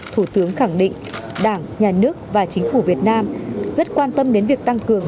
thủ tướng khẳng định đảng nhà nước và chính phủ việt nam rất quan tâm đến việc tăng cường